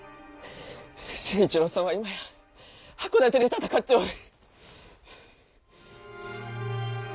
成一郎さんは今や箱館で戦っておる。